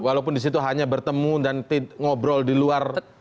walaupun di situ hanya bertemu dan ngobrol di luar